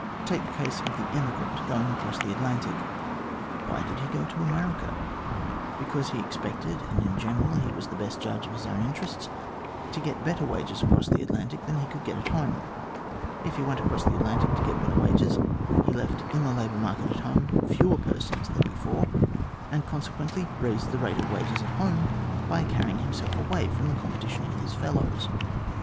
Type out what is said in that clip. Take the case of the emigrant going across the Atlantic. Why did he go to America ? Because he expected and in general he was the best judge of his own interests to get better wages across the Atlantic than he could get at home. If he went across the Atlantic to get better wages, he left in the labour market at home fewer persons than before, and consequently raised the rate of wages at home by carrying himself away from the competition with his fellows.